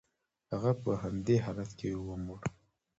هغه په همدې حالت کې ومړ.